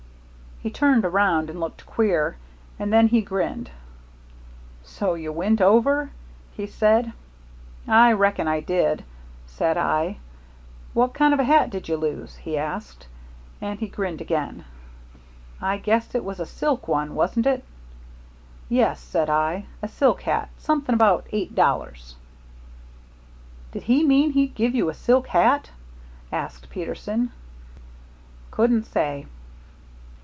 He turned around and looked queer, and then he grinned. 'So you went over?' he said. 'I reckon I did,' said I. 'What kind of a hat did you lose?' he asked, and he grinned again. 'I guess it was a silk one, wasn't it?' 'Yes,' said I, 'a silk hat something about eight dollars.'" "Did he mean he'd give you a silk hat?" asked Peterson. "Couldn't say."